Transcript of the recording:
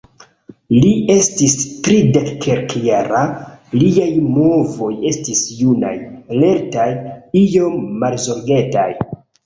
Li estis tridekkelkjara, liaj movoj estis junaj, lertaj, iom malzorgetaj.